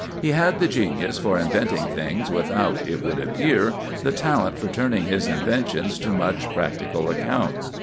He had the genius for inventing things without, it would appear, the talent for turning his inventions to much practical account.